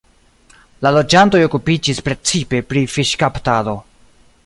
La loĝantoj okupiĝis precipe pri fiŝkaptado.